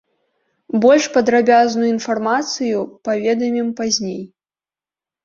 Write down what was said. Больш падрабязную інфармацыю паведамім пазней.